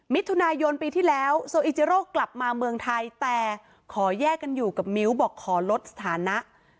มิถุนายนปีที่แล้วโซอิจิโรกลับมาเมืองไทยแต่ขอแยกกันอยู่กับมิ้วบอกขอลดสถานะ